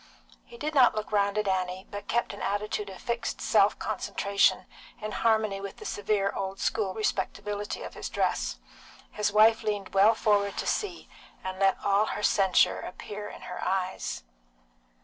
He did not look round at Annie, but kept an attitude of fixed self concentration, in harmony with the severe old school respectability of his dress; his wife leaned well forward to see, and let all her censure appear in her eyes.